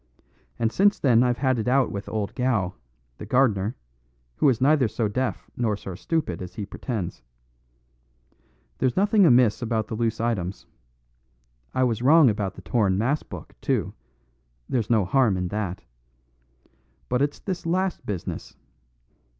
And since then I've had it out with old Gow, the gardener, who is neither so deaf nor so stupid as he pretends. There's nothing amiss about the loose items. I was wrong about the torn mass book, too; there's no harm in that. But it's this last business.